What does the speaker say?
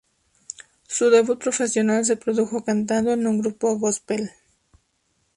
Su debut profesional se produjo cantando en un grupo gospel.